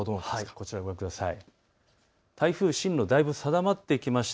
こちら、ご覧ください。